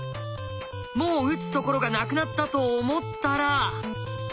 もう打つところがなくなったと思ったら。